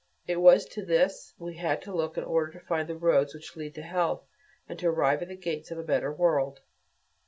It was to this we had to look in order to find the roads which lead to health, and arrive at the gates of a better world.